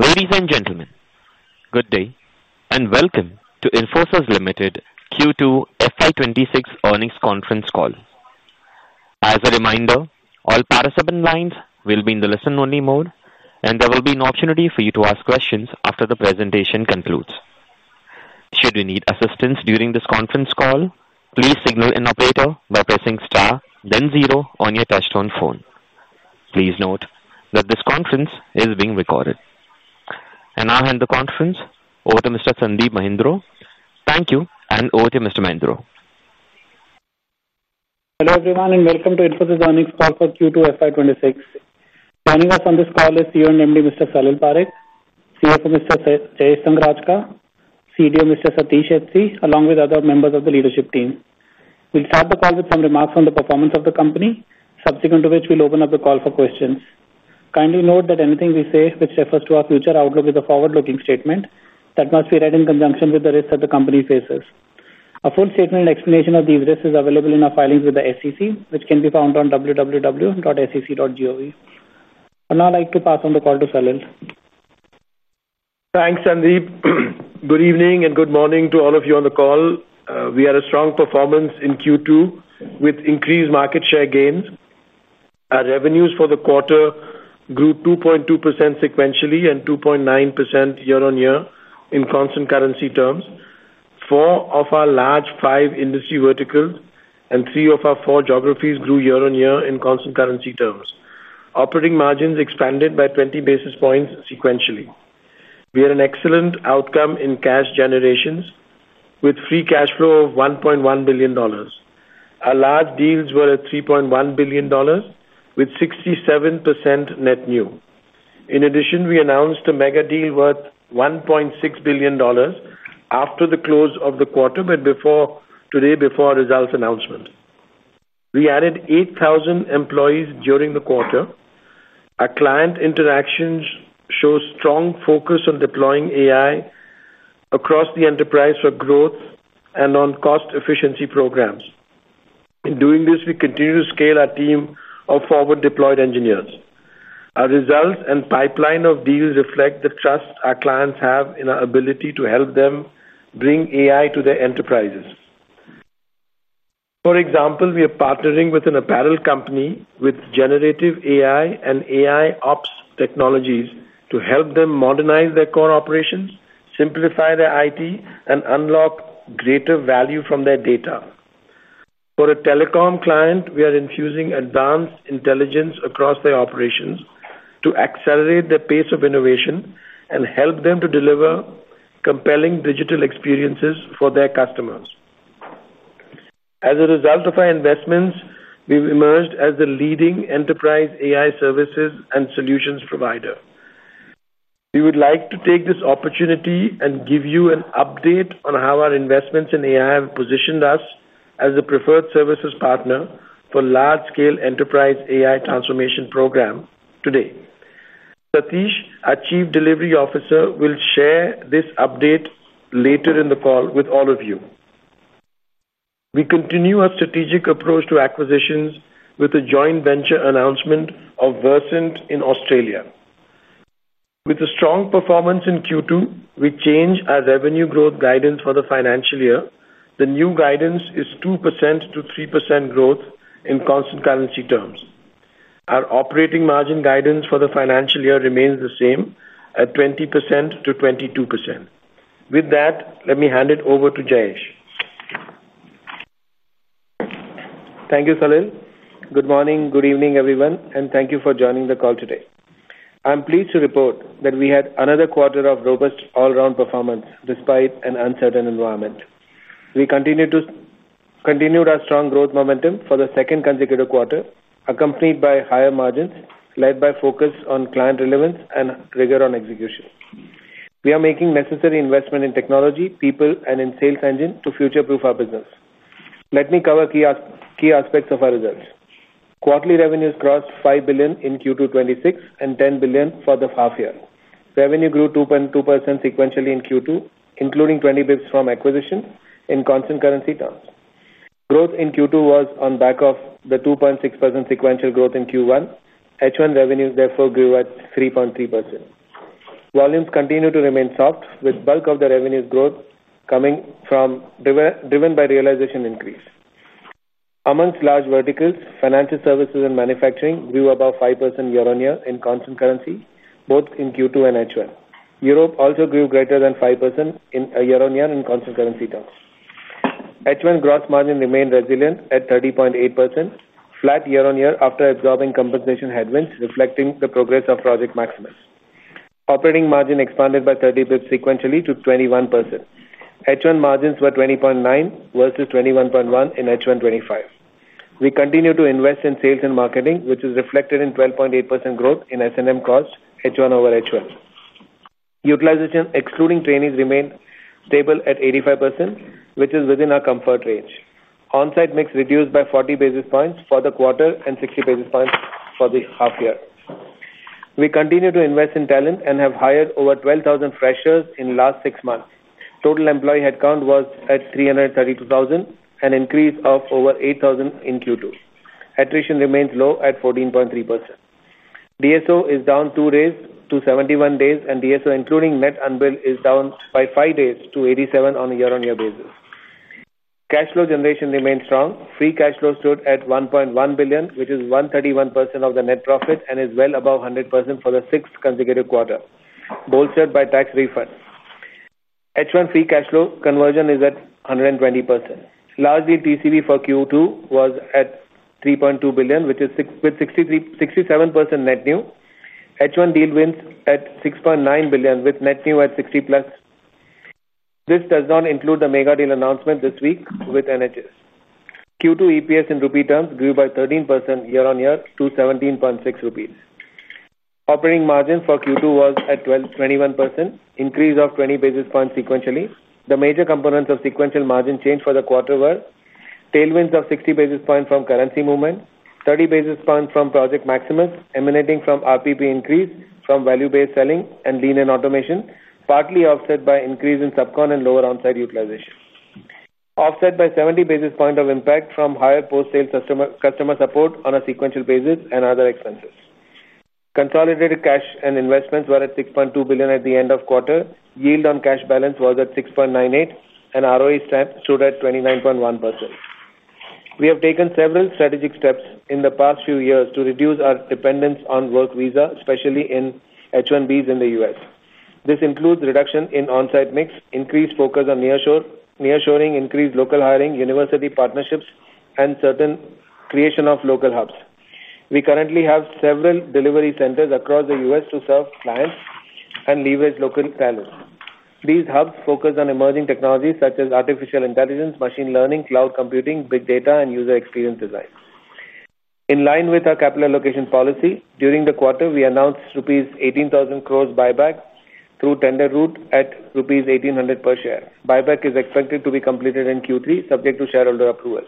Ladies and gentlemen, good day, and welcome to Infosys Limited Q2 FY 2026 earnings conference call. As a reminder, all participant lines will be in the listen-only mode, and there will be an opportunity for you to ask questions after the presentation concludes. Should you need assistance during this conference call, please signal an operator by pressing star, then zero on your touch-tone phone. Please note that this conference is being recorded. I'll hand the conference over to Mr. Sandeep Mahindroo. Thank you, and over to Mr. Mahindroo. Hello, everyone, and welcome to Infosys earnings call for Q2 FY 2026. Joining us on this call is CEO and MD, Mr. Salil Parekh, CFO, Mr. Jayesh Sanghrajka, CDO, Mr. Satish H.C., along with other members of the leadership team. We'll start the call with some remarks on the performance of the company, subsequent to which we'll open up the call for questions. Kindly note that anything we say which refers to our future outlook is a forward-looking statement that must be read in conjunction with the risks that the company faces. A full statement and explanation of these risks is available in our filings with the SEC, which can be found on www.sec.gov. I'd now like to pass on the call to Salil. Thanks, Sandeep. Good evening and good morning to all of you on the call. We had a strong performance in Q2 with increased market share gains. Our revenues for the quarter grew 2.2% sequentially and 2.9% year-on-year in constant currency terms. Four of our large five industry verticals and three of our four geographies grew year-on-year in constant currency terms. Operating margins expanded by 20 basis points sequentially. We had an excellent outcome in cash generation with free cash flow of $1.1 billion. Our large deals were at $3.1 billion with 67% net new. In addition, we announced a mega deal worth $1.6 billion after the close of the quarter, but before today, before our results announcement. We added 8,000 employees during the quarter. Our client interactions show strong focus on deploying AI across the enterprise for growth and on cost-efficiency programs. In doing this, we continue to scale our team of forward-deployed engineers. Our results and pipeline of deals reflect the trust our clients have in our ability to help them bring AI to their enterprises. For example, we are partnering with an apparel company with generative AI and AI ops technologies to help them modernize their core operations, simplify their IT, and unlock greater value from their data. For a telecom client, we are infusing advanced intelligence across their operations to accelerate the pace of innovation and help them to deliver compelling digital experiences for their customers. As a result of our investments, we've emerged as the leading enterprise AI services and solutions provider. We would like to take this opportunity and give you an update on how our investments in AI have positioned us as a preferred services partner for a large-scale enterprise AI transformation program today. Satish, our Chief Delivery Officer, will share this update later in the call with all of you. We continue our strategic approach to acquisitions with a joint venture announcement of Versant in Australia. With a strong performance in Q2, we change our revenue growth guidance for the financial year. The new guidance is 2%-3% growth in constant currency terms. Our operating margin guidance for the financial year remains the same at 20%-22%. With that, let me hand it over to Jayesh. Thank you, Salil. Good morning, good evening, everyone, and thank you for joining the call today. I'm pleased to report that we had another quarter of robust all-around performance despite an uncertain environment. We continued our strong growth momentum for the second consecutive quarter, accompanied by higher margins led by focus on client relevance and rigor on execution. We are making necessary investment in technology, people, and in sales engine to future-proof our business. Let me cover key aspects of our results. Quarterly revenues crossed $5 billion in Q2 2026 and $10 billion for the half year. Revenue grew 2.2% sequentially in Q2, including 20 basis points from acquisition in constant currency terms. Growth in Q2 was on the back of the 2.6% sequential growth in Q1. H1 revenues, therefore, grew at 3.3%. Volumes continue to remain soft, with the bulk of the revenue growth coming from driven by realization increase. Amongst large verticals, financial services and manufacturing grew above 5% year-on-year in constant currency, both in Q2 and H1. Europe also grew greater than 5% year-on-year in constant currency terms. H1 gross margin remained resilient at 30.8%, flat year-on-year after absorbing compensation headwinds reflecting the progress of Project Maximus. Operating margin expanded by 30 basis points sequentially to 21%. H1 margins were 20.9% versus 21.1% in H1 2025. We continue to invest in sales and marketing, which is reflected in 12.8% growth in S&M cost H1 over H1. Utilization, excluding trainees, remained stable at 85%, which is within our comfort range. Onsite mix reduced by 40 basis points for the quarter and 60 basis points for the half year. We continue to invest in talent and have hired over 12,000 freshers in the last six months. Total employee headcount was at 332,000, an increase of over 8,000 in Q2. Attrition remains low at 14.3%. DSO is down two days to 71 days, and DSO, including net unbilled, is down by five days to 87 on a year-on-year basis. Cash flow generation remains strong. Free cash flow stood at $1.1 billion, which is 131% of the net profit and is well above 100% for the sixth consecutive quarter, bolstered by tax refunds. H1 free cash flow conversion is at 120%. Largely, TCV for Q2 was at $3.2 billion, which is 63% net new. H1 deal wins at $6.9 billion with net new at 60% plus. This does not include the mega deal announcement this week with NHS. Q2 EPS in rupee terms grew by 13% year-on-year to 17.6 rupees. Operating margin for Q2 was at 21%, increase of 20 basis points sequentially. The major components of sequential margin change for the quarter were tailwinds of 60 basis points from currency movement, 30 basis points from Project Maximus emanating from RPP increase from value-based selling and lean-in automation, partly offset by increase in subcon and lower onsite utilization. Offset by 70 basis points of impact from higher post-sale customer support on a sequential basis and other expenses. Consolidated cash and investments were at $6.2 billion at the end of the quarter. Yield on cash balance was at 6.98%, and ROE stamp showed at 29.1%. We have taken several strategic steps in the past few years to reduce our dependence on work visa, especially in H1B visas in the U.S. This includes reduction in onsite mix, increased focus on nearshoring, increased local hiring, university partnerships, and certain creation of local hubs. We currently have several delivery centers across the U.S. to serve clients and leverage local talent. These hubs focus on emerging technologies such as artificial intelligence, machine learning, cloud computing, big data, and user experience design. In line with our capital allocation policy, during the quarter, we announced rupees 18,000 crore buyback through tender route at rupees 1,800 per share. Buyback is expected to be completed in Q3, subject to shareholder approval.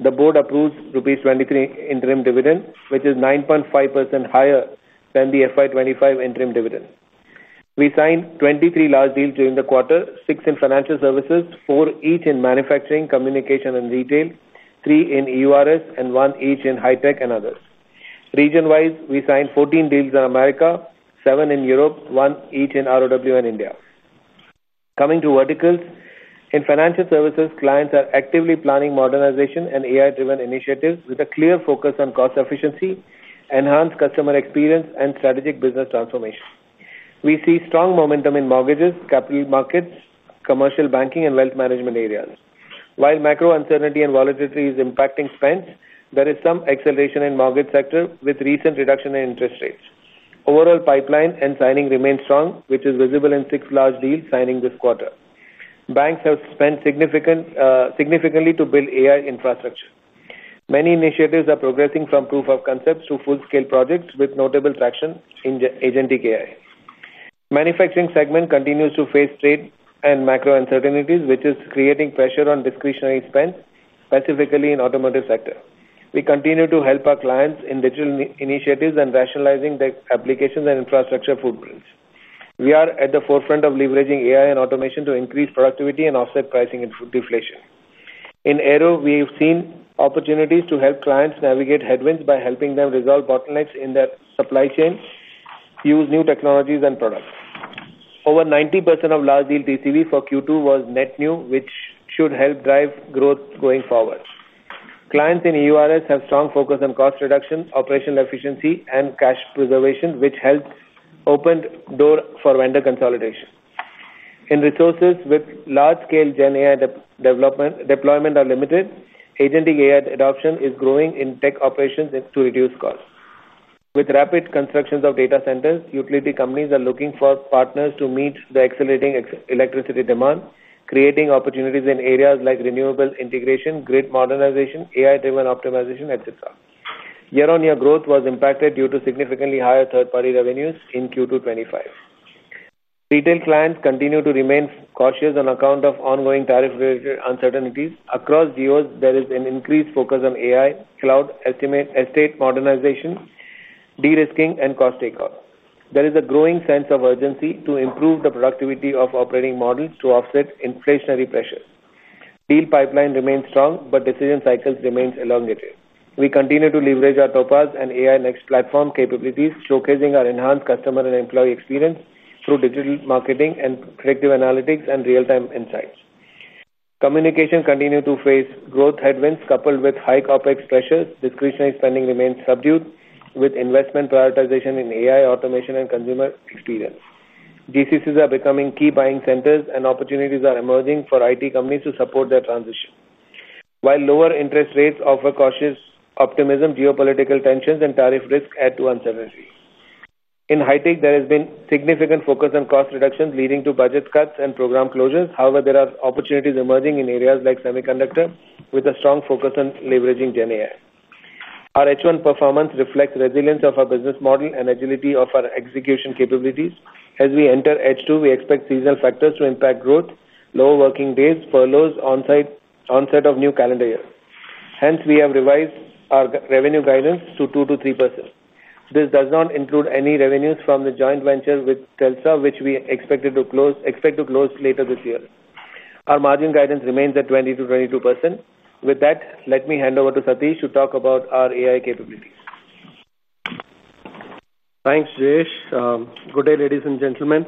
The board approves rupees 23 interim dividend, which is 9.5% higher than the FY 2025 interim dividend. We signed 23 large deals during the quarter, six in financial services, four each in manufacturing, communication, and retail, three in EURS, and one each in high-tech and others. Region-wise, we signed 14 deals in America, seven in Europe, one each in ROW and India. Coming to verticals, in financial services, clients are actively planning modernization and AI-driven initiatives with a clear focus on cost efficiency, enhanced customer experience, and strategic business transformation. We see strong momentum in mortgages, capital markets, commercial banking, and wealth management areas. While macro uncertainty and volatility is impacting spends, there is some acceleration in the mortgage sector with recent reduction in interest rates. Overall pipeline and signing remain strong, which is visible in six large deals signing this quarter. Banks have spent significantly to build AI infrastructure. Many initiatives are progressing from proof of concepts to full-scale projects with notable traction in agentic AI. The manufacturing segment continues to face trade and macro uncertainties, which is creating pressure on discretionary spend, specifically in the automotive sector. We continue to help our clients in digital initiatives and rationalizing the applications and infrastructure footprints. We are at the forefront of leveraging AI and automation to increase productivity and offset pricing and deflation. In AERO, we've seen opportunities to help clients navigate headwinds by helping them resolve bottlenecks in their supply chain, use new technologies, and products. Over 90% of large deal TCV for Q2 was net new, which should help drive growth going forward. Clients in EURS have strong focus on cost reduction, operational efficiency, and cash preservation, which helps open the door for vendor consolidation. In resources, with large-scale generative AI deployment limited, agentic AI adoption is growing in tech operations to reduce costs. With rapid constructions of data centers, utility companies are looking for partners to meet the accelerating electricity demand, creating opportunities in areas like renewable integration, grid modernization, AI-driven optimization, etc. Year-on-year growth was impacted due to significantly higher third-party revenues in Q2 2025. Retail clients continue to remain cautious on account of ongoing tariff-related uncertainties. Across GOs, there is an increased focus on AI, cloud estate modernization, de-risking, and cost takeoff. There is a growing sense of urgency to improve the productivity of operating models to offset inflationary pressures. Deal pipeline remains strong, but decision cycles remain elongated. We continue to leverage our Infosys Topaz and AI Next platform capabilities, showcasing our enhanced customer and employee experience through digital marketing and predictive analytics and real-time insights. Communication continues to face growth headwinds, coupled with high CapEx pressures. Discretionary spending remains subdued with investment prioritization in AI automation and consumer experience. GCCs are becoming key buying centers, and opportunities are emerging for IT companies to support their transition. While lower interest rates offer cautious optimism, geopolitical tensions and tariff risk add to uncertainty. In high-tech, there has been significant focus on cost reductions, leading to budget cuts and program closures. However, there are opportunities emerging in areas like semiconductor, with a strong focus on leveraging generative AI. Our H1 performance reflects resilience of our business model and agility of our execution capabilities. As we enter H2, we expect seasonal factors to impact growth, lower working days, furloughs, onsite onset of new calendar years. Hence, we have revised our revenue guidance to 2%-3%. This does not include any revenues from the joint venture with Versant, which we expect to close later this year. Our margin guidance remains at 20%-22%. With that, let me hand over to Satish to talk about our AI capabilities. Thanks, Jayesh. Good day, ladies and gentlemen.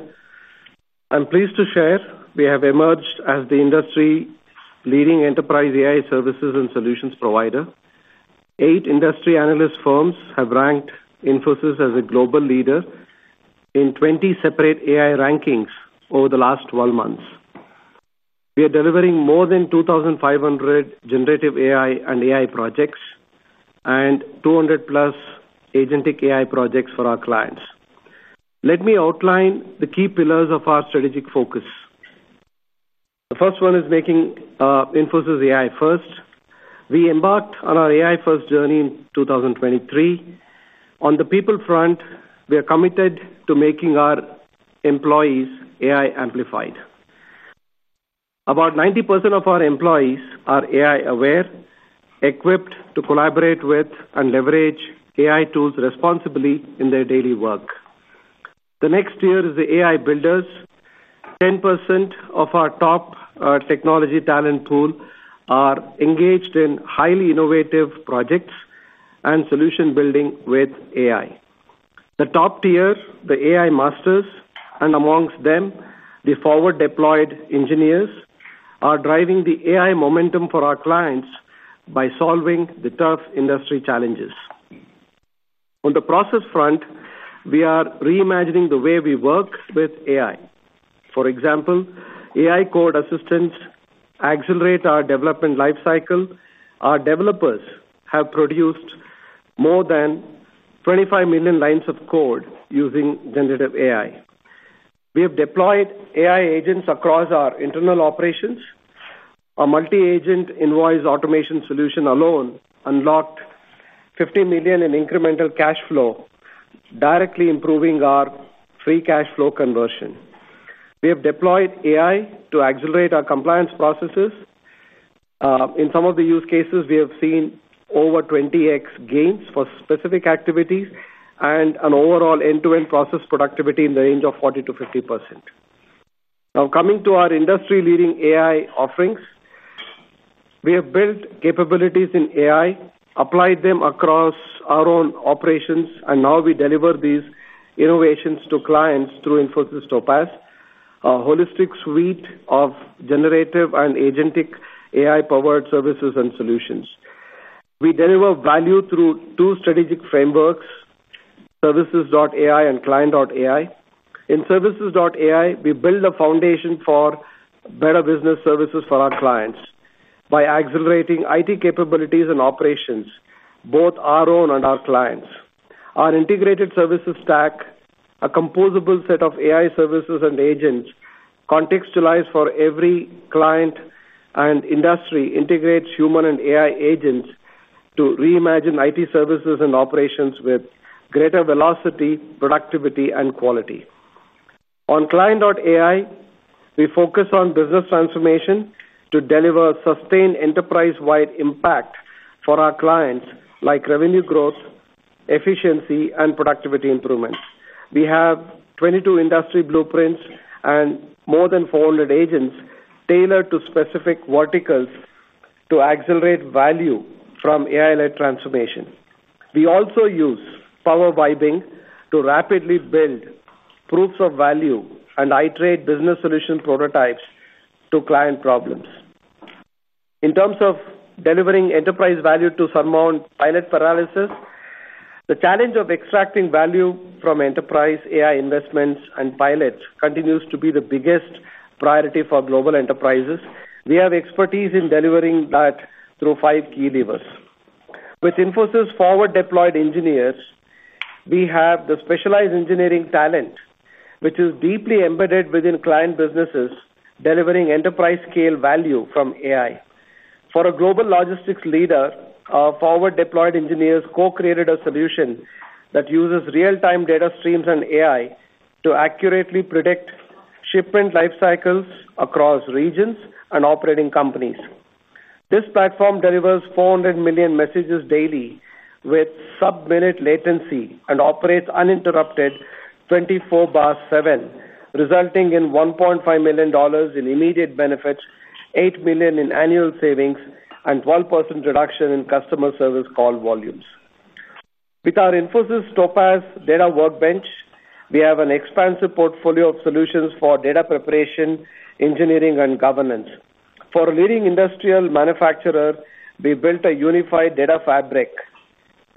I'm pleased to share we have emerged as the industry's leading enterprise AI services and solutions provider. Eight industry analyst firms have ranked Infosys as a global leader in 20 separate AI rankings over the last 12 months. We are delivering more than 2,500 generative AI and AI projects and 200+ agentic AI projects for our clients. Let me outline the key pillars of our strategic focus. The first one is making Infosys AI first. We embarked on our AI-first journey in 2023. On the people front, we are committed to making our employees' AI amplified. About 90% of our employees are AI-aware, equipped to collaborate with and leverage AI tools responsibly in their daily work. The next tier is the AI builders. 10% of our top technology talent pool are engaged in highly innovative projects and solution building with AI. The top tier, the AI masters, and amongst them, the forward-deployed engineers are driving the AI momentum for our clients by solving the tough industry challenges. On the process front, we are reimagining the way we work with AI. For example, AI code assistants accelerate our development lifecycle. Our developers have produced more than 25 million lines of code using generative AI. We have deployed AI agents across our internal operations. Our multi-agent invoice automation solution alone unlocked $50 million in incremental cash flow, directly improving our free cash flow conversion. We have deployed AI to accelerate our compliance processes. In some of the use cases, we have seen over 20x gains for specific activities and an overall end-to-end process productivity in the range of 40%-50%. Now, coming to our industry-leading AI offerings, we have built capabilities in AI, applied them across our own operations, and now we deliver these innovations to clients through Infosys Topaz, a holistic suite of generative and agentic AI-powered services and solutions. We deliver value through two strategic frameworks: services.ai and client.ai. In services.ai, we build a foundation for better business services for our clients by accelerating IT capabilities and operations, both our own and our clients. Our integrated services stack, a composable set of AI services and agents contextualized for every client and industry, integrates human and AI agents to reimagine IT services and operations with greater velocity, productivity, and quality. On client.ai, we focus on business transformation to deliver sustained enterprise-wide impact for our clients, like revenue growth, efficiency, and productivity improvements. We have 22 industry blueprints and more than 400 agents tailored to specific verticals to accelerate value from AI-led transformation. We also use power wiping to rapidly build proofs of value and iterate business solution prototypes to client problems. In terms of delivering enterprise value to surmount pilot paralysis, the challenge of extracting value from enterprise AI investments and pilots continues to be the biggest priority for global enterprises. We have expertise in delivering that through five key levers. With Infosys forward-deployed engineers, we have the specialized engineering talent, which is deeply embedded within client businesses, delivering enterprise-scale value from AI. For a global logistics leader, our forward-deployed engineers co-created a solution that uses real-time data streams and AI to accurately predict shipment lifecycles across regions and operating companies. This platform delivers 400 million messages daily with sub-minute latency and operates uninterrupted 24/7, resulting in $1.5 million in immediate benefits, $8 million in annual savings, and a 12% reduction in customer service call volumes. With our Infosys Topaz Data Workbench, we have an expansive portfolio of solutions for data preparation, engineering, and governance. For a leading industrial manufacturer, we built a unified data fabric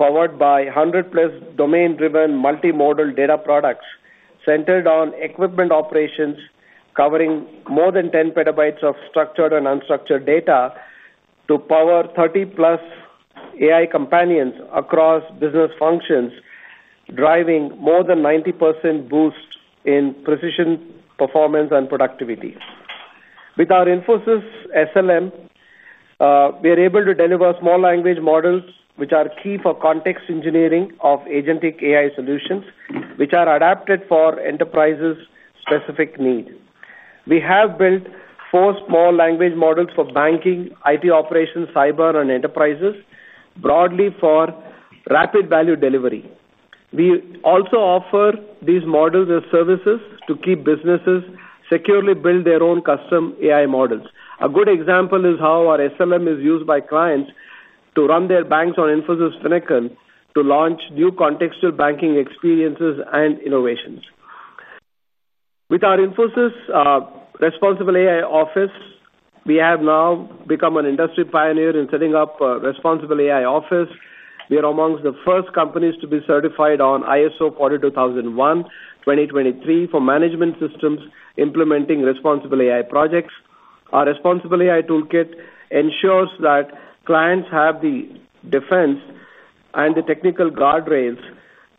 powered by 100+ domain-driven multimodal data products centered on equipment operations, covering more than 10 petabytes of structured and unstructured data to power 30+ AI companions across business functions, driving more than a 90% boost in precision performance and productivity. With our Infosys SLM, we are able to deliver small language models, which are key for context engineering of agentic AI solutions, which are adapted for enterprise's specific needs. We have built four small language models for banking, IT operations, cyber, and enterprises, broadly for rapid value delivery. We also offer these models as services to keep businesses securely build their own custom AI models. A good example is how our SLM is used by clients to run their banks on Infosys Finecon to launch new contextual banking experiences and innovations. With our Infosys Responsible AI Office, we have now become an industry pioneer in setting up a responsible AI office. We are amongst the first companies to be certified on ISO 42001:2023 for management systems implementing responsible AI projects. Our responsible AI toolkit ensures that clients have the defense and the technical guardrails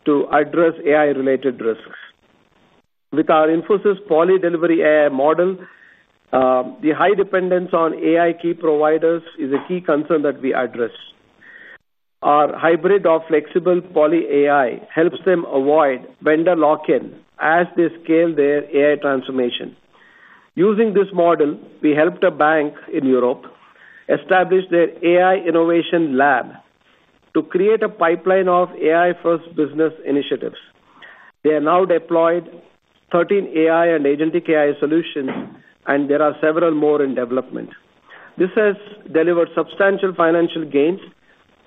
to address AI-related risks. With our Infosys Poly Delivery AI model, the high dependence on AI key providers is a key concern that we address. Our hybrid of flexible Poly AI helps them avoid vendor lock-in as they scale their AI transformation. Using this model, we helped a bank in Europe establish their AI innovation lab to create a pipeline of AI-first business initiatives. They have now deployed 13 AI and agentic AI solutions, and there are several more in development. This has delivered substantial financial gains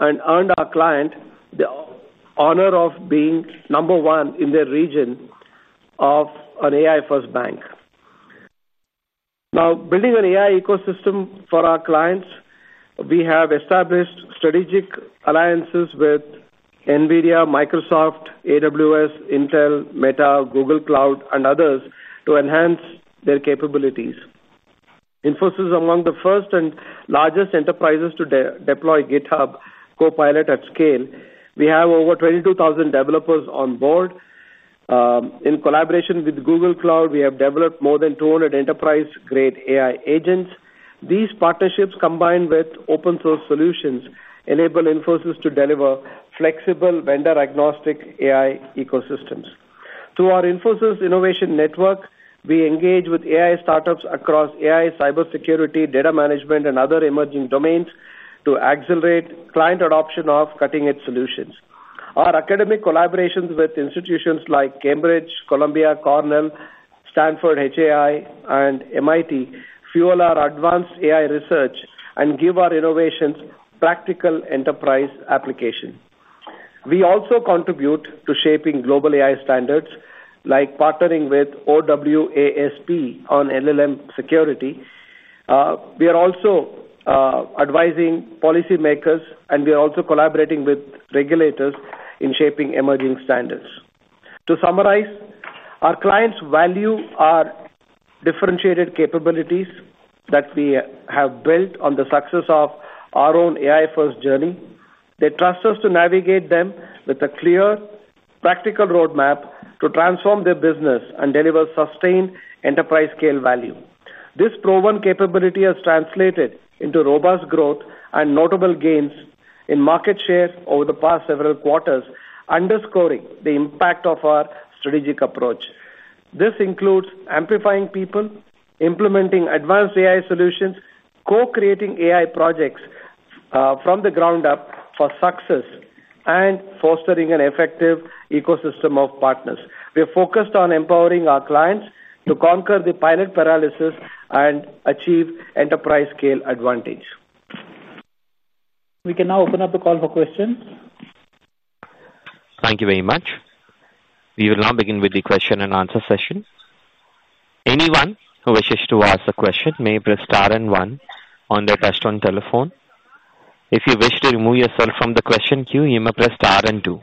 and earned our client the honor of being number one in their region of an AI-first bank. Now, building an AI ecosystem for our clients, we have established strategic alliances with NVIDIA, Microsoft, AWS, Intel, Meta, Google Cloud, and others to enhance their capabilities. Infosys is among the first and largest enterprises to deploy GitHub Copilot at scale. We have over 22,000 developers on board. In collaboration with Google Cloud, we have developed more than 200 enterprise-grade AI agents. These partnerships, combined with open-source solutions, enable Infosys to deliver flexible, vendor-agnostic AI ecosystems. Through our Infosys Innovation Network, we engage with AI startups across AI, cybersecurity, data management, and other emerging domains to accelerate client adoption of cutting-edge solutions. Our academic collaborations with institutions like Cambridge, Columbia, Cornell, Stanford HAI, and MIT fuel our advanced AI research and give our innovations practical enterprise applications. We also contribute to shaping global AI standards, like partnering with OWASP on LLM security. We are also advising policymakers, and we are also collaborating with regulators in shaping emerging standards. To summarize, our clients value our differentiated capabilities that we have built on the success of our own AI-first journey. They trust us to navigate them with a clear, practical roadmap to transform their business and deliver sustained enterprise-scale value. This proven capability has translated into robust growth and notable gains in market share over the past several quarters, underscoring the impact of our strategic approach. This includes amplifying people, implementing advanced AI solutions, co-creating AI projects from the ground up for success, and fostering an effective ecosystem of partners. We are focused on empowering our clients to conquer the pilot paralysis and achieve enterprise-scale advantage. We can now open up the call for questions. Thank you very much. We will now begin with the question-and-answer session. Anyone who wishes to ask a question may press star and one on their touch-tone telephone. If you wish to remove yourself from the question queue, you may press star and two.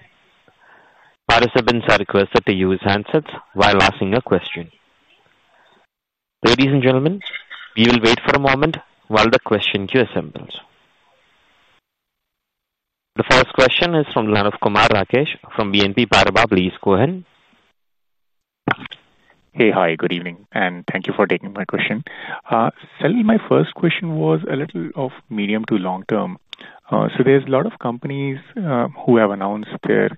Participants are requested to use handsets while asking a question. Ladies and gentlemen, we will wait for a moment while the question queue assembles. The first question is from the line of Kumar Rakesh from BNP Paribas. Please go ahead. Hey, hi. Good evening, and thank you for taking my question. Salil, my first question was a little of medium to long term. There's a lot of companies who have announced their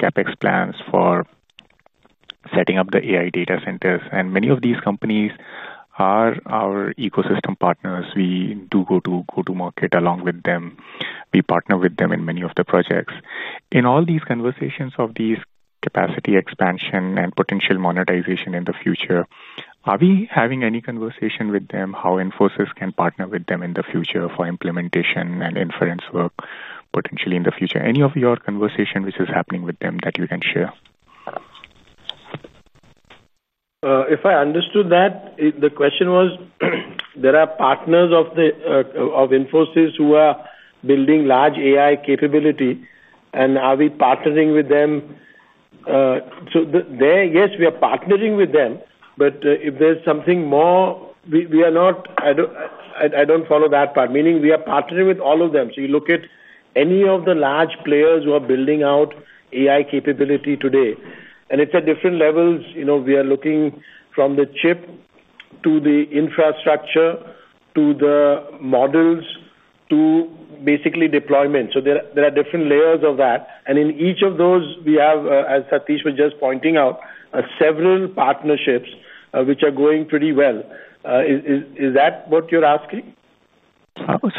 CapEx plans for setting up the AI data centers, and many of these companies are our ecosystem partners. We do go to market along with them. We partner with them in many of the projects. In all these conversations of these capacity expansion and potential monetization in the future, are we having any conversation with them how Infosys can partner with them in the future for implementation and inference work potentially in the future? Any of your conversation which is happening with them that you can share? If I understood that, the question was there are partners of Infosys who are building large AI capability, and are we partnering with them? Yes, we are partnering with them. If there's something more, I don't follow that part, meaning we are partnering with all of them. You look at any of the large players who are building out AI capability today, and it's at different levels. We are looking from the chip to the infrastructure to the models to basically deployment. There are different layers of that, and in each of those, we have, as Satish was just pointing out, several partnerships which are going pretty well. Is that what you're asking?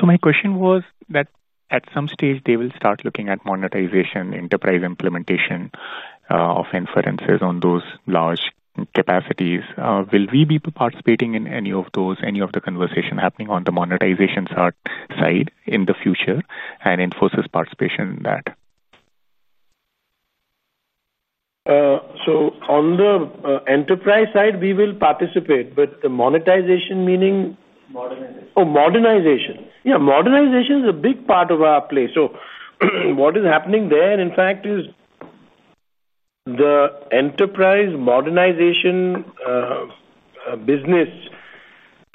My question was that at some stage, they will start looking at monetization, enterprise implementation of inferences on those large capacities. Will we be participating in any of those, any of the conversation happening on the monetization side in the future and Infosys participation in that? On the enterprise side, we will participate, but the monetization—meaning modernization. Oh, modernization. Yeah, modernization is a big part of our play. What is happening there, in fact, is the enterprise modernization business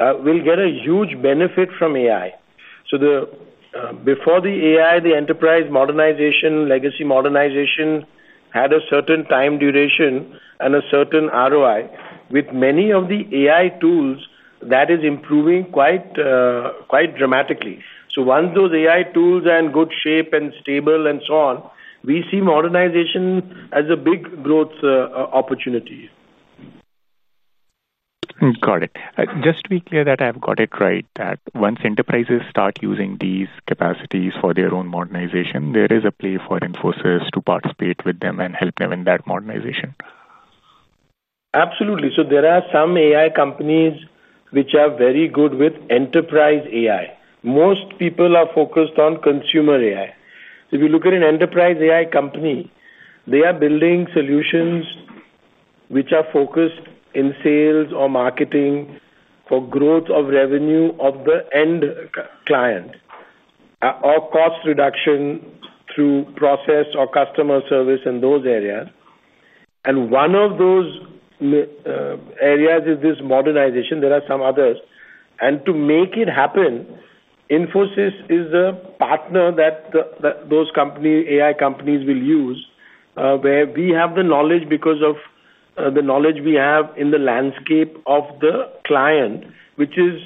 will get a huge benefit from AI. Before the AI, the enterprise modernization, legacy modernization had a certain time duration and a certain ROI. With many of the AI tools, that is improving quite dramatically. Once those AI tools are in good shape and stable and so on, we see modernization as a big growth opportunity. Got it. Just to be clear that I have got it right, that once enterprises start using these capacities for their own modernization, there is a play for Infosys to participate with them and help them in that modernization. Absolutely. There are some AI companies which are very good with enterprise AI. Most people are focused on consumer AI. If you look at an enterprise AI company, they are building solutions which are focused in sales or marketing for growth of revenue of the end client or cost reduction through process or customer service in those areas. One of those areas is this modernization. There are some others. To make it happen, Infosys is the partner that those AI companies will use, where we have the knowledge because of the knowledge we have in the landscape of the client, which is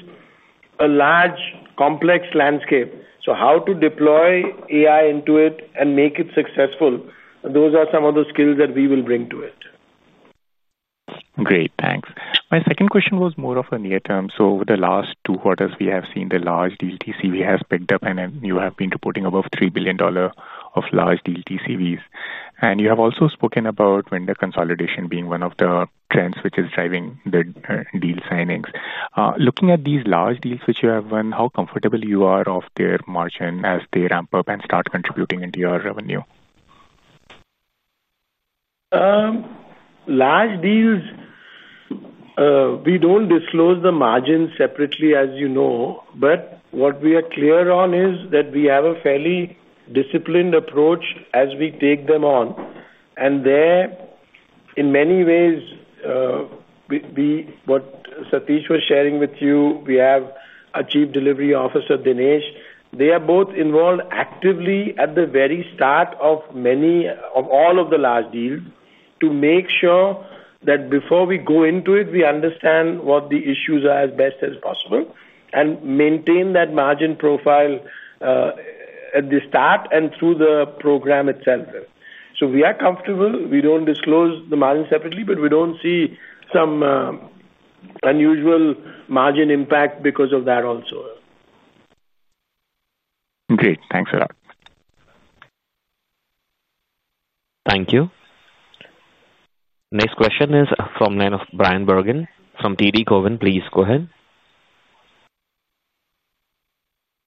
a large, complex landscape. How to deploy AI into it and make it successful, those are some of the skills that we will bring to it. Great. Thanks. My second question was more of a near term. Over the last two quarters, we have seen the large deal TCV has picked up, and you have been reporting above $3 billion of large deal TCVs. You have also spoken about vendor consolidation being one of the trends which is driving the deal signings. Looking at these large deals which you have won, how comfortable you are of their margin as they ramp up and start contributing into your revenue? Large deals, we don't disclose the margins separately, as you know. What we are clear on is that we have a fairly disciplined approach as we take them on. In many ways, what Satish was sharing with you, we have a Chief Delivery Officer, Dinesh. They are both involved actively at the very start of many of all of the large deals to make sure that before we go into it, we understand what the issues are as best as possible and maintain that margin profile at the start and through the program itself. We are comfortable. We don't disclose the margin separately, but we don't see some unusual margin impact because of that also. Great, thanks for that. Thank you. Next question is from the line of Bryan Bergin from TD Cowen. Please go ahead.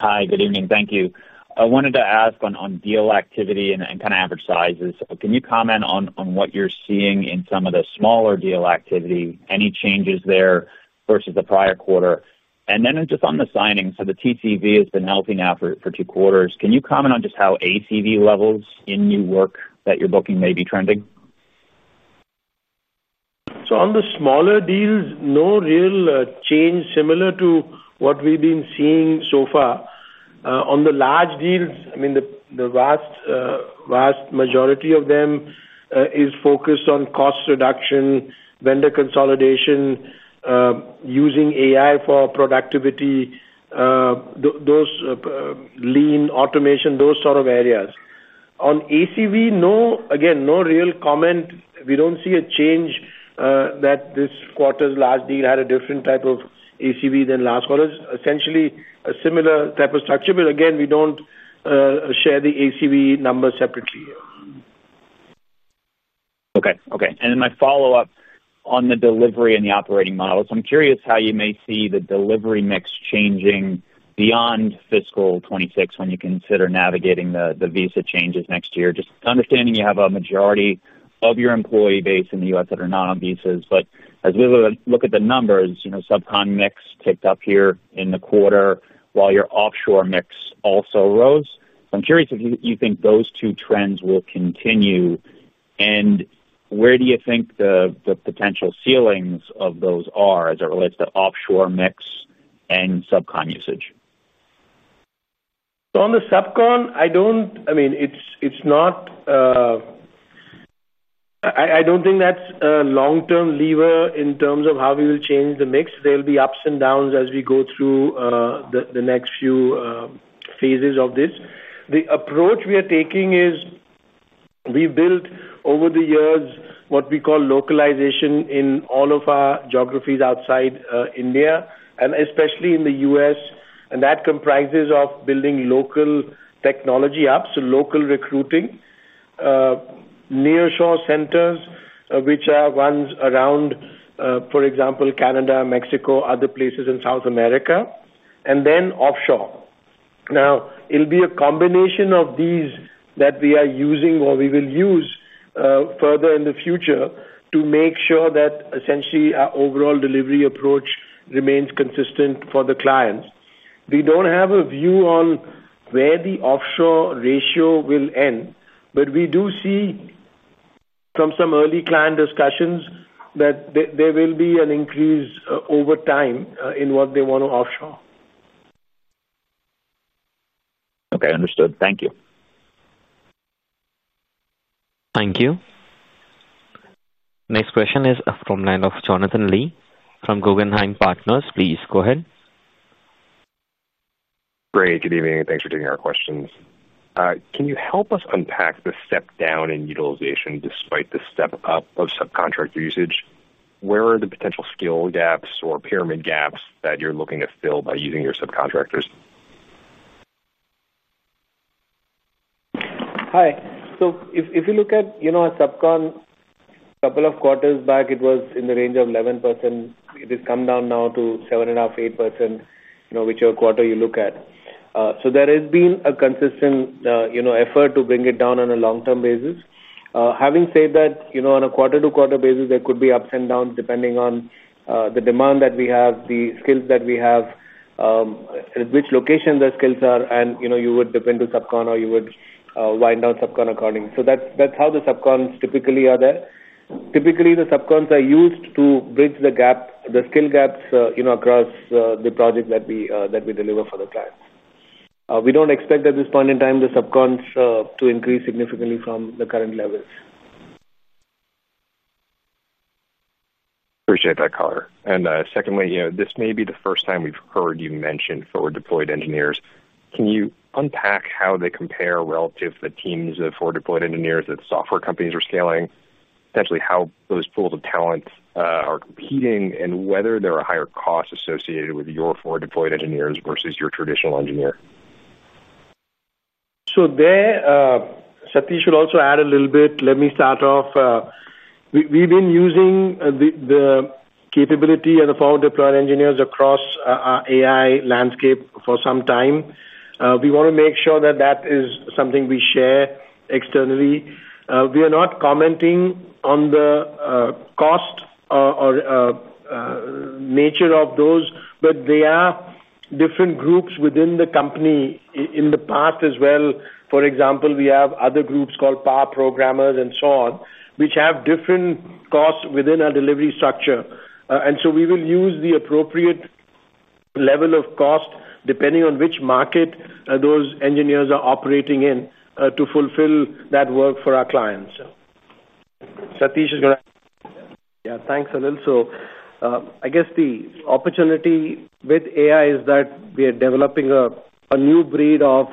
Hi. Good evening. Thank you. I wanted to ask on deal activity and kind of average sizes. Can you comment on what you're seeing in some of the smaller deal activity? Any changes there versus the prior quarter? On the signings, the TCV has been melting out for two quarters. Can you comment on just how ACV levels in new work that you're booking may be trending? On the smaller deals, no real change, similar to what we've been seeing so far. On the large deals, the vast majority of them is focused on cost reduction, vendor consolidation, using AI for productivity, those lean automation, those sort of areas. On ACV, no, again, no real comment. We don't see a change that this quarter's last deal had a different type of ACV than last quarter's. Essentially, a similar type of structure, but again, we don't share the ACV numbers separately. Okay. Okay. My follow-up on the delivery and the operating models. I'm curious how you may see the delivery mix changing beyond fiscal 2026 when you consider navigating the visa changes next year. Just understanding you have a majority of your employee base in the U.S. that are not on visas, but as we look at the numbers, subcon mix ticked up here in the quarter while your offshore mix also rose. I'm curious if you think those two trends will continue, and where do you think the potential ceilings of those are as it relates to offshore mix and subcon usage? On the subcon, I don't think that's a long-term lever in terms of how we will change the mix. There will be ups and downs as we go through the next few phases of this. The approach we are taking is we've built over the years what we call localization in all of our geographies outside India, and especially in the U.S., and that comprises building local technology apps, local recruiting, nearshore centers, which are ones around, for example, Canada, Mexico, other places in South America, and then offshore. Now, it'll be a combination of these that we are using or we will use further in the future to make sure that essentially our overall delivery approach remains consistent for the clients. We don't have a view on where the offshore ratio will end, but we do see from some early client discussions that there will be an increase over time in what they want to offshore. Okay. Understood. Thank you. Thank you. Next question is from the line of Jonathan Lee from Guggenheim Securities. Please go ahead. Great. Good evening, and thanks for taking our questions. Can you help us unpack the step down in utilization despite the step up of subcontractor usage? Where are the potential skill gaps or pyramid gaps that you're looking to fill by using your subcontractors? Hi. If you look at subcon a couple of quarters back, it was in the range of 11%. It has come down now to 7.5%-8%, whichever quarter you look at. There has been a consistent effort to bring it down on a long-term basis. Having said that, on a quarter-to-quarter basis, there could be ups and downs depending on the demand that we have, the skills that we have, at which location the skills are, and you would depend on subcon, or you would wind down subcon accordingly. That's how the subcons typically are. Typically, the subcons are used to bridge the skill gaps across the projects that we deliver for the clients. We don't expect at this point in time the subcons to increase significantly from the current levels. Appreciate that, Carter. Secondly, you know this may be the first time we've heard you mention forward-deployed engineers. Can you unpack how they compare relative to the teams of forward-deployed engineers that software companies are scaling, potentially how those pools of talent are competing, and whether there are higher costs associated with your forward-deployed engineers versus your traditional engineer? Satish would also add a little bit. Let me start off. We've been using the capability of the forward-deployed engineers across our AI landscape for some time. We want to make sure that that is something we share externally. We are not commenting on the cost or nature of those, but they are different groups within the company in the past as well. For example, we have other groups called pair programmers and so on, which have different costs within our delivery structure. We will use the appropriate level of cost depending on which market those engineers are operating in to fulfill that work for our clients. Satish is going to. Yeah. Thanks, Salil. I guess the opportunity with AI is that we are developing a new breed of,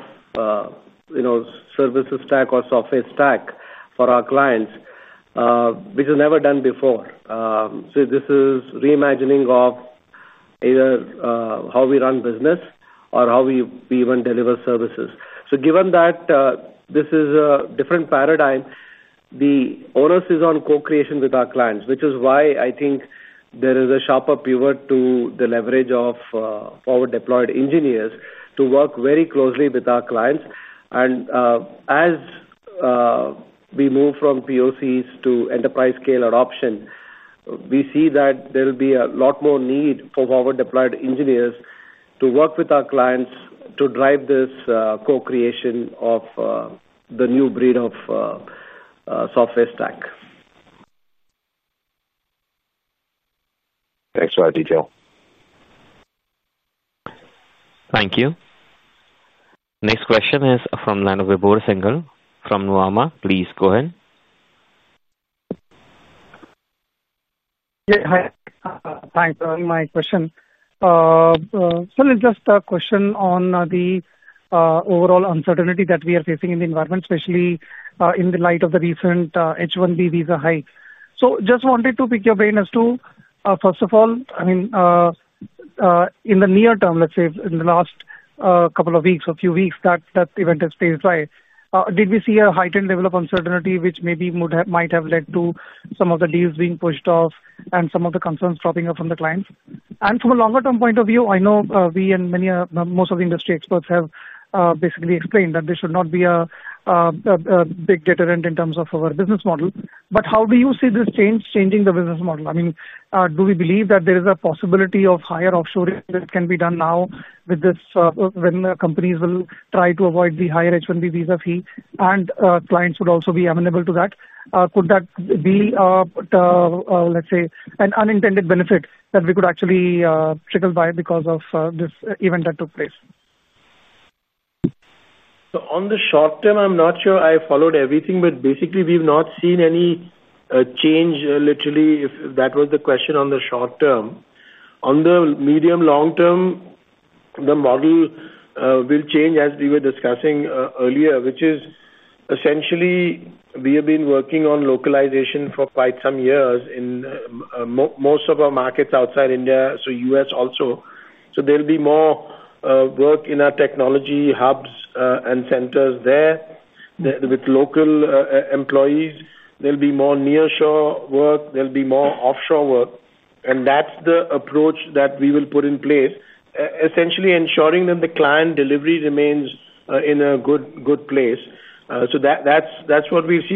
you know, services stack or software stack for our clients, which is never done before. This is reimagining of either how we run business or how we even deliver services. Given that this is a different paradigm, the onus is on co-creation with our clients, which is why I think there is a sharper pivot to the leverage of forward-deployed engineers to work very closely with our clients. As we move from POCs to enterprise-scale adoption, we see that there will be a lot more need for forward-deployed engineers to work with our clients to drive this co-creation of the new breed of software stack. Thanks for that detail. Thank you. Next question is from the line of Vibhor Singhal from Nuvama Equities. Please go ahead. Yeah. Hi. Thanks for my question. It's just a question on the overall uncertainty that we are facing in the environment, especially in the light of the recent H1B visa hike. I just wanted to pick your brain as to, first of all, in the near term, let's say in the last couple of weeks or a few weeks that that event has passed by, did we see a heightened level of uncertainty which maybe might have led to some of the deals being pushed off and some of the concerns dropping off from the clients? From a longer-term point of view, I know we and most of the industry experts have basically explained that this should not be a big deterrent in terms of our business model. How do you see this change changing the business model? Do we believe that there is a possibility of higher offshoring that can be done now with this when companies will try to avoid the higher H1B visa fee and clients would also be amenable to that? Could that be, let's say, an unintended benefit that we could actually trickle by because of this event that took place? I'm not sure I followed everything, but basically, we've not seen any change, literally, if that was the question on the short term. On the medium-long term, the model will change, as we were discussing earlier, which is essentially we have been working on localization for quite some years in most of our markets outside India, so U.S. also. There'll be more work in our technology hubs and centers there with local employees. There'll be more nearshore work. There'll be more offshore work. That's the approach that we will put in place, essentially ensuring that the client delivery remains in a good place. That's what we see.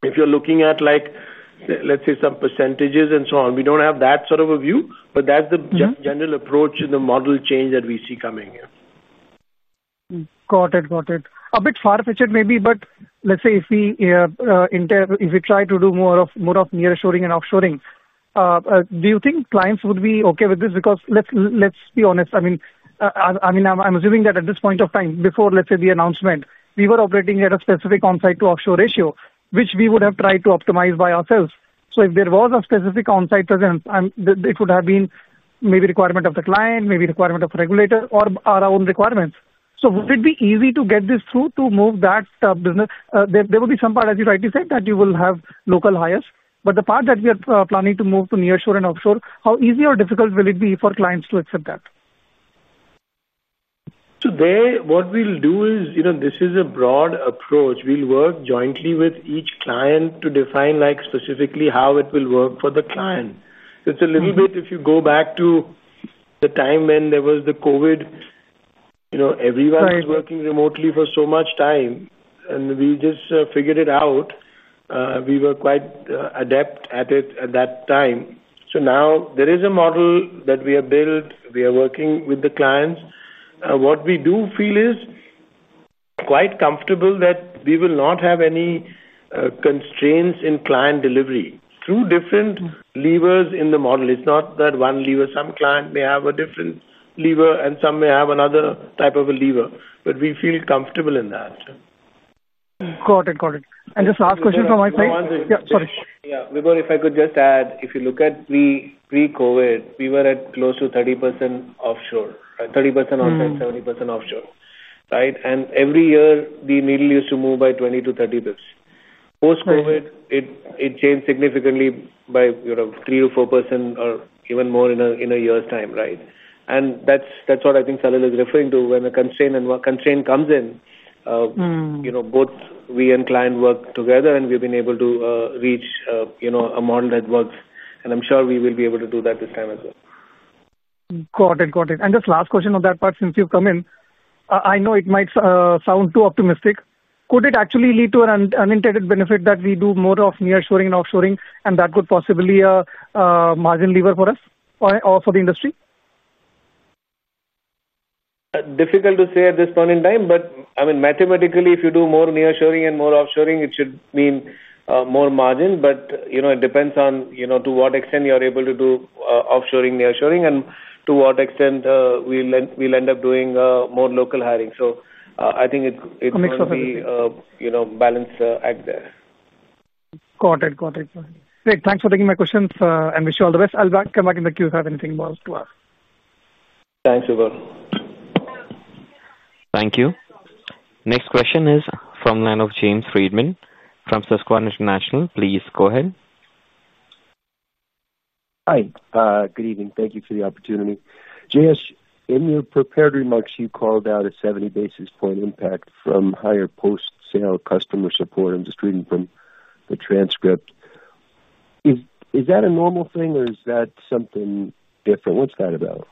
If you're looking at, like, let's say, some percentages and so on, we don't have that sort of a view, but that's the general approach in the model change that we see coming here. Got it. Got it. A bit far-fetched, maybe, but let's say if we try to do more of nearshoring and offshoring, do you think clients would be okay with this? Because let's be honest, I mean, I'm assuming that at this point of time, before, let's say, the announcement, we were operating at a specific onsite to offshore ratio, which we would have tried to optimize by ourselves. If there was a specific onsite presence, it would have been maybe a requirement of the client, maybe a requirement of a regulator, or our own requirements. Would it be easy to get this through to move that business? There will be some part, as you rightly said, that you will have local hires. The part that we are planning to move to nearshore and offshore, how easy or difficult will it be for clients to accept that? What we'll do is, you know, this is a broad approach. We'll work jointly with each client to define specifically how it will work for the client. It's a little bit, if you go back to the time when there was the COVID, you know, everyone was working remotely for so much time, and we just figured it out. We were quite adept at it at that time. Now there is a model that we have built. We are working with the clients. What we do feel is quite comfortable that we will not have any constraints in client delivery through different levers in the model. It's not that one lever. Some client may have a different lever, and some may have another type of a lever, but we feel comfortable in that. Got it. Got it. Just last question from my side. Once we. Yeah. Sorry. Yeah. Vibhor, if I could just add, if you look at pre-COVID, we were at close to 30% offshore, right? 30% onsite, 70% offshore, right? Every year, the needle used to move by 20-30 basis points. Post-COVID, it changed significantly by 3%-4% or even more in a year's time, right? That's what I think Salil is referring to. When a constraint comes in, you know, both we and client work together, and we've been able to reach a model that works. I'm sure we will be able to do that this time as well. Got it. Just last question on that part since you've come in. I know it might sound too optimistic. Could it actually lead to an unintended benefit that we do more of nearshoring and offshoring, and that could possibly be a margin lever for us or for the industry? Difficult to say at this point in time, but I mean, mathematically, if you do more nearshoring and more offshoring, it should mean more margin. It depends on to what extent you're able to do offshoring, nearshoring, and to what extent we'll end up doing more local hiring. I think it's a mix of a balance act there. Got it. Great. Thanks for taking my questions, and wish you all the best. I'll come back in the queue if I have anything more to ask. Thanks, Vibhor. Thank you. Next question is from the line of Jamie Friedman from Susquehanna International. Please go ahead. Hi. Good evening. Thank you for the opportunity. Jayesh, in your prepared remarks, you called out a 70 basis point impact from higher post-sale customer support. I'm just reading from the transcript. Is that a normal thing, or is that something different? What's that about?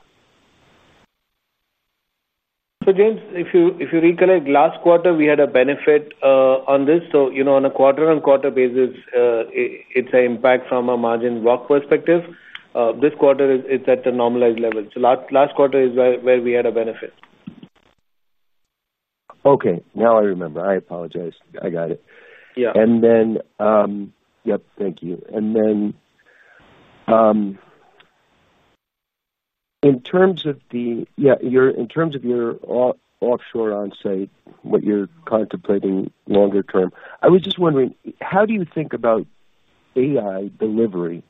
James, if you recollect, last quarter, we had a benefit on this. On a quarter-on-quarter basis, it's an impact from a margin block perspective. This quarter, it's at the normalized level. Last quarter is where we had a benefit. Okay, now I remember. I apologize. I got it. Thank you. In terms of your offshore onsite, what you're contemplating longer term, I was just wondering, how do you think about AI delivery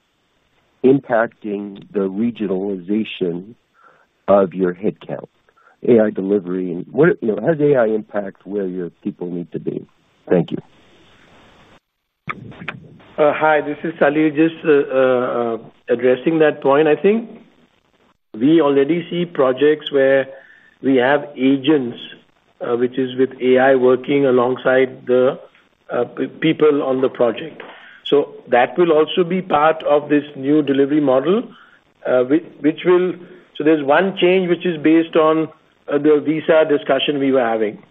impacting the regionalization of your headcount? AI delivery, and what does AI impact where your people need to be? Thank you. Hi. This is Salil just addressing that point. I think we already see projects where we have agents, which is with AI working alongside the people on the project. That will also be part of this new delivery model, which will, so there's one change which is based on the visa discussion we were having.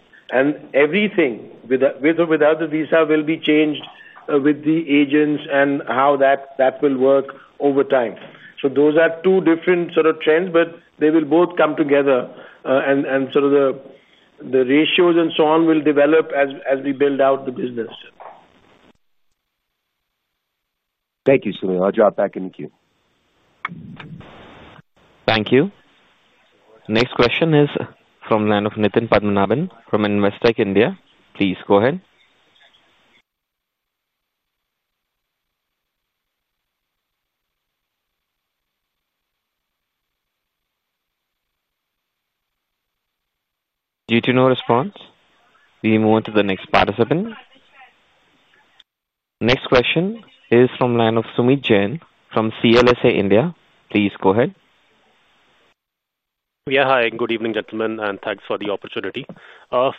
Everything with or without the visa will be changed with the agents and how that will work over time. Those are two different sort of trends, but they will both come together, and sort of the ratios and so on will develop as we build out the business. Thank you, Salil. I'll drop back in the queue. Thank you. Next question is from the line of Nitin Padmanabhan from Investec, India. Please go ahead. Due to no response, we move on to the next participant. Next question is from the line of Sumit Jain, from CLSA, India. Please go ahead. Hi, and good evening, gentlemen, and thanks for the opportunity.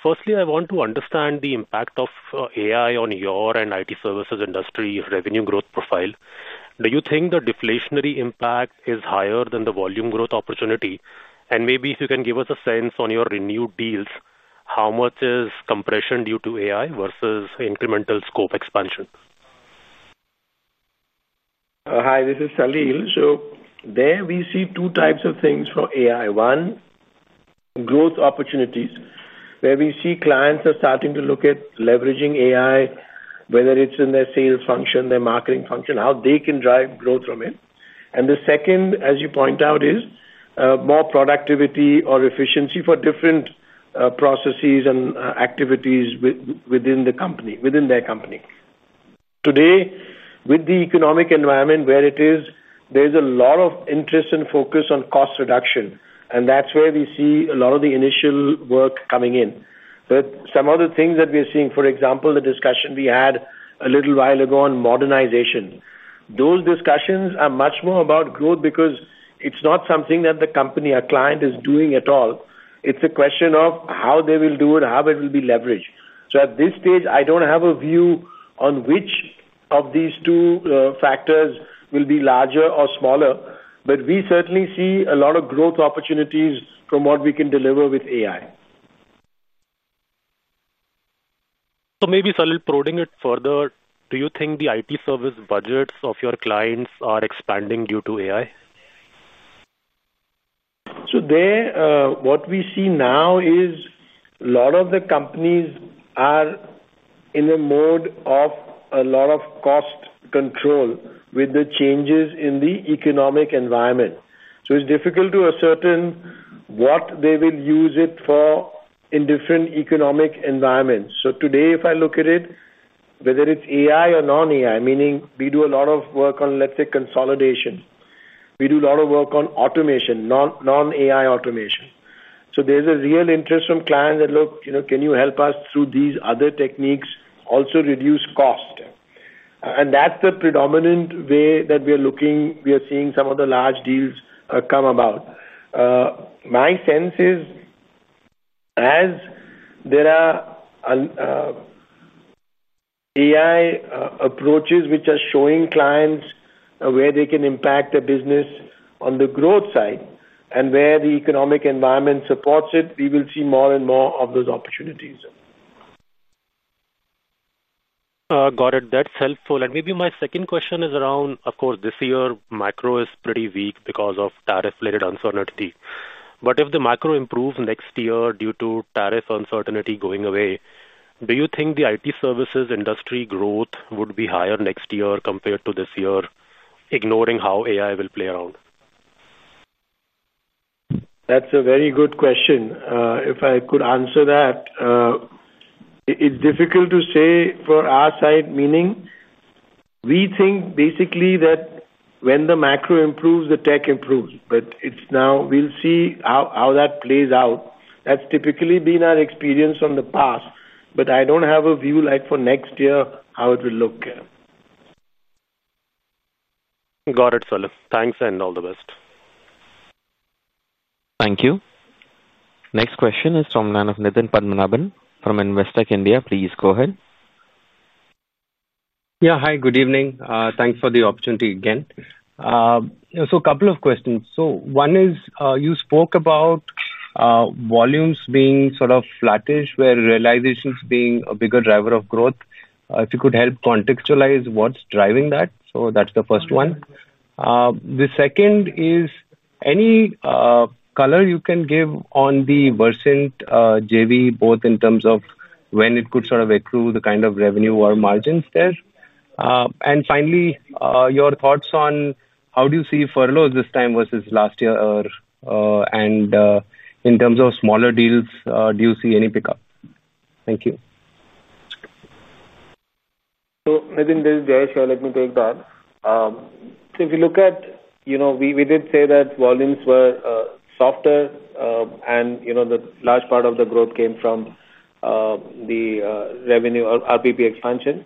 Firstly, I want to understand the impact of AI on your and IT services industry revenue growth profile. Do you think the deflationary impact is higher than the volume growth opportunity? If you can give us a sense on your renewed deals, how much is compression due to AI versus incremental scope expansion? Hi. This is Salil. There, we see two types of things for AI. One, growth opportunities, where we see clients are starting to look at leveraging AI, whether it's in their sales function, their marketing function, how they can drive growth from it. The second, as you point out, is more productivity or efficiency for different processes and activities within their company. Today, with the economic environment where it is, there's a lot of interest and focus on cost reduction, and that's where we see a lot of the initial work coming in. Some of the things that we are seeing, for example, the discussion we had a little while ago on modernization, those discussions are much more about growth because it's not something that the company, a client, is doing at all. It's a question of how they will do it, how it will be leveraged. At this stage, I don't have a view on which of these two factors will be larger or smaller, but we certainly see a lot of growth opportunities from what we can deliver with AI. Salil, prodding it further, do you think the IT service budgets of your clients are expanding due to AI? There, what we see now is a lot of the companies are in a mode of a lot of cost control with the changes in the economic environment. It's difficult to ascertain what they will use it for in different economic environments. Today, if I look at it, whether it's AI or non-AI, meaning we do a lot of work on, let's say, consolidation. We do a lot of work on automation, non-AI automation. There's a real interest from clients that, "Look, you know, can you help us through these other techniques also reduce cost?" That's the predominant way that we are looking. We are seeing some of the large deals come about. My sense is as there are AI approaches which are showing clients where they can impact their business on the growth side and where the economic environment supports it, we will see more and more of those opportunities. Got it. That's helpful. Maybe my second question is around, of course, this year, macro is pretty weak because of tariff-related uncertainty. If the macro improves next year due to tariff uncertainty going away, do you think the IT services industry growth would be higher next year compared to this year, ignoring how AI will play around? That's a very good question. If I could answer that, it's difficult to say for our side, meaning we think basically that when the macro improves, the tech improves. Now we'll see how that plays out. That's typically been our experience from the past, but I don't have a view like for next year how it will look here. Got it, Salil. Thanks and all the best. Thank you. Next question is from the line of Nitin Padmanabhan from Investec, India. Please go ahead. Yeah. Hi. Good evening. Thanks for the opportunity again. A couple of questions. One is you spoke about volumes being sort of flattish, with realizations being a bigger driver of growth. If you could help contextualize what's driving that. That's the first one. The second is any color you can give on the Versant JV, both in terms of when it could sort of accrue the kind of revenue or margins there. Finally, your thoughts on how do you see furloughs this time versus last year? In terms of smaller deals, do you see any pickup? Thank you. I think this is Jayesh. Let me take that. If you look at, you know, we did say that volumes were softer, and the large part of the growth came from the revenue or RPP expansion.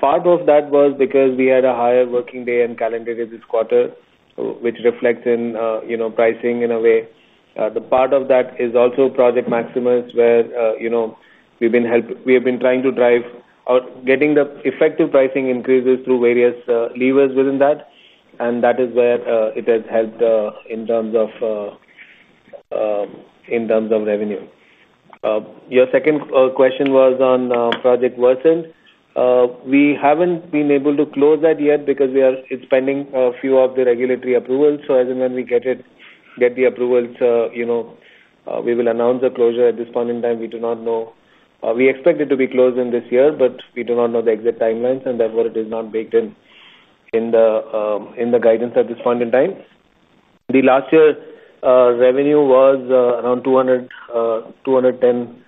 Part of that was because we had a higher working day and calendar day this quarter, which reflects in pricing in a way. Part of that is also Project Maximus, where we've been trying to drive or getting the effective pricing increases through various levers within that. That is where it has helped in terms of revenue. Your second question was on Project Versant. We haven't been able to close that yet because it's pending a few of the regulatory approvals. As and when we get the approvals, you know, we will announce a closure at this point in time. We do not know. We expect it to be closed in this year, but we do not know the exit timelines, and therefore, it is not baked in the guidance at this point in time. The last year revenue was around 210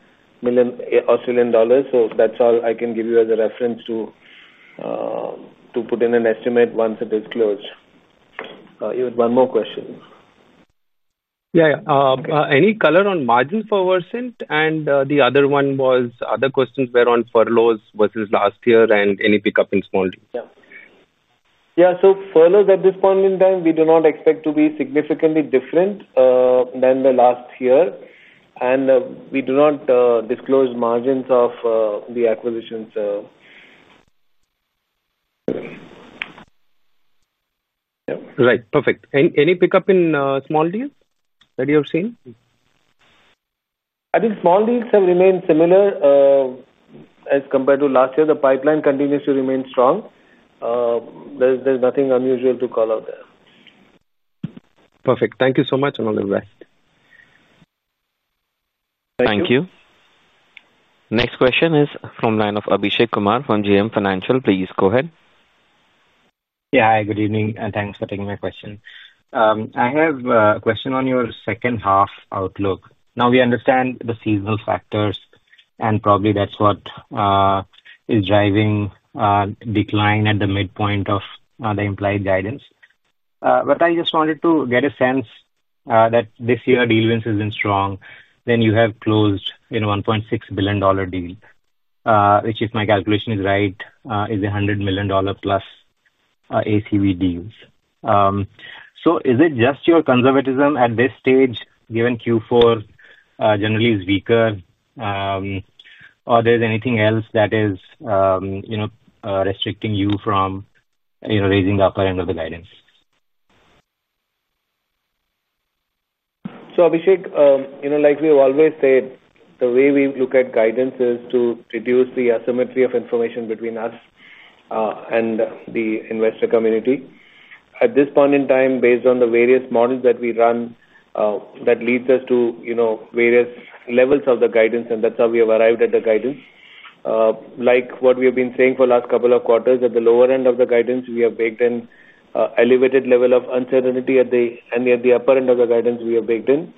million Australian dollars. That's all I can give you as a reference to put in an estimate once it is closed. You had one more question. Yeah, yeah. Any color on margins for Versant? The other questions were on furloughs versus last year and any pickup in small deals. Furloughs at this point in time, we do not expect to be significantly different than the last year. We do not disclose margins of the acquisitions. Right. Perfect. Any pickup in small deals that you have seen? I think small deals have remained similar as compared to last year. The pipeline continues to remain strong. There's nothing unusual to call out there. Perfect. Thank you so much, and all the best. Thank you. Thank you. Next question is from the line of Abhishek Kumar from JM Financial. Please go ahead. Yeah. Hi. Good evening, and thanks for taking my question. I have a question on your second half outlook. We understand the seasonal factors, and probably that's what is driving decline at the midpoint of the implied guidance. I just wanted to get a sense that this year, deal wins have been strong. You have closed in a $1.6 billion deal, which, if my calculation is right, is a $100 million plus ACV deal. Is it just your conservatism at this stage, given Q4 generally is weaker, or is there anything else that is restricting you from raising the upper end of the guidance? Abhishek, like we have always said, the way we look at guidance is to reduce the asymmetry of information between us and the investor community. At this point in time, based on the various models that we run, that leads us to various levels of the guidance, and that's how we have arrived at the guidance. Like what we have been saying for the last couple of quarters, at the lower end of the guidance, we have baked in an elevated level of uncertainty, and at the upper end of the guidance, we have baked in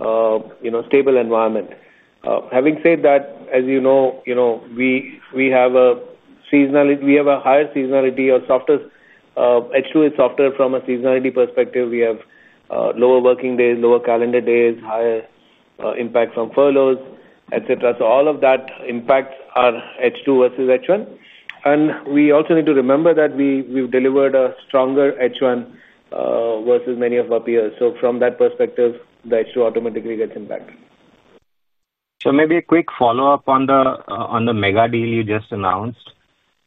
a stable environment. Having said that, as you know, we have a higher seasonality or H2 is softer from a seasonality perspective. We have lower working days, lower calendar days, higher impact from furloughs, etc. All of that impacts our H2 versus H1. We also need to remember that we've delivered a stronger H1 versus many of our peers. From that perspective, the H2 automatically gets impacted. Maybe a quick follow-up on the mega deal you just announced.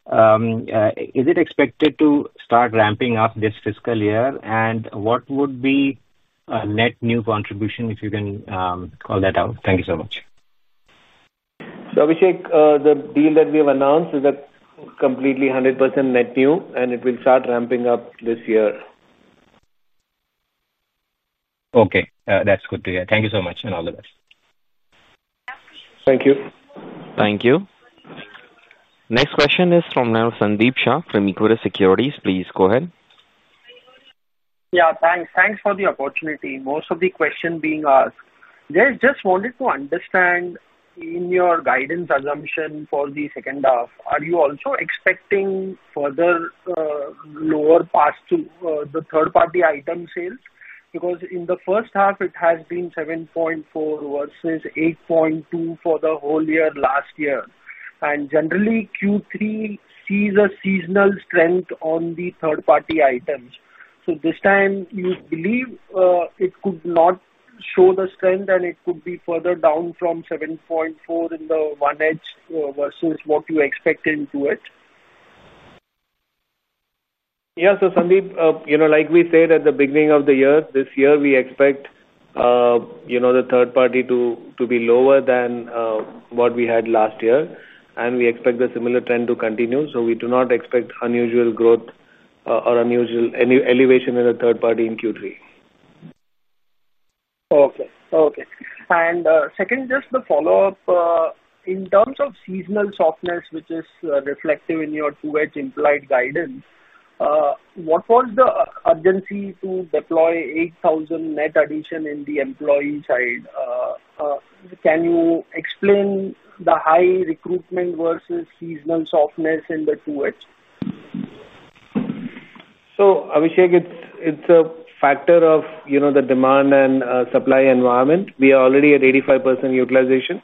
Is it expected to start ramping up this fiscal year? What would be a net new contribution if you can call that out? Thank you so much. Abhishek, the deal that we have announced is completely 100% net new, and it will start ramping up this year. Okay. That's good to hear. Thank you so much and all the best. Thank you. Thank you. Next question is from Sandeep Shah from Equirus Securities. Please go ahead. Yeah. Thanks. Thanks for the opportunity. Most of the questions being asked. Just wanted to understand, in your guidance assumption for the second half, are you also expecting further lower parts to the third-party item sales? Because in the first half, it has been 7.4 versus 8.2 for the whole year last year. Generally, Q3 sees a seasonal strength on the third-party items. This time, you believe it could not show the strength, and it could be further down from 7.4 in the one-half versus what you expected to it? Yeah. Sandeep, you know, like we said at the beginning of the year, this year we expect the third party to be lower than what we had last year, and we expect a similar trend to continue. We do not expect unusual growth or unusual elevation in the third party in Q3. Okay. Okay. In terms of seasonal softness, which is reflective in your Q2 implied guidance, what was the urgency to deploy 8,000 net addition in the employee side? Can you explain the high recruitment versus seasonal softness in the Q2? Abhishek, it's a factor of the demand and supply environment. We are already at 85% utilization,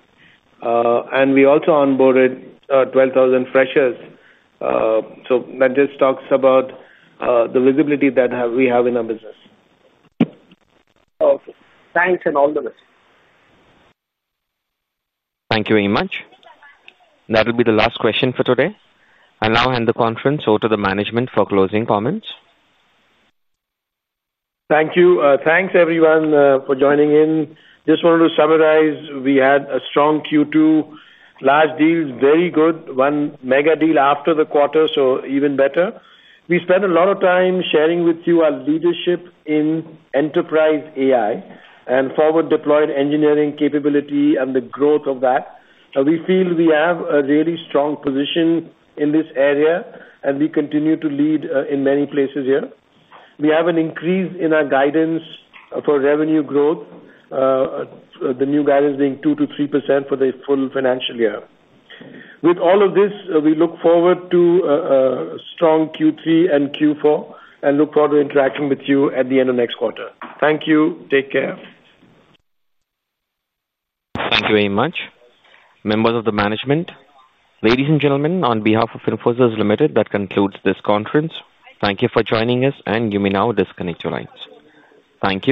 and we also onboarded 12,000 freshers. That just talks about the visibility that we have in our business. Okay, thanks and all the best. Thank you very much. That will be the last question for today. I'll now hand the conference over to the management for closing comments. Thank you. Thanks, everyone, for joining in. Just wanted to summarize. We had a strong Q2. Large deals, very good. One mega deal after the quarter, so even better. We spent a lot of time sharing with you our leadership in enterprise AI and forward-deployed engineering capability and the growth of that. We feel we have a really strong position in this area, and we continue to lead in many places here. We have an increase in our guidance for revenue growth, the new guidance being 2 to 3% for the full financial year. With all of this, we look forward to a strong Q3 and Q4 and look forward to interacting with you at the end of next quarter. Thank you. Take care. Thank you very much, members of the management. Ladies and gentlemen, on behalf of Infosys Limited, that concludes this conference. Thank you for joining us, and you may now disconnect your lines. Thank you.